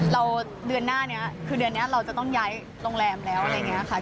เดือนหน้านี้คือเดือนนี้เราจะต้องย้ายโรงแรมแล้วอะไรอย่างนี้ค่ะ